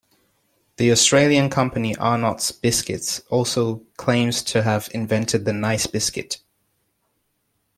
The Australian company Arnott's Biscuits also claims to have invented the Nice biscuit.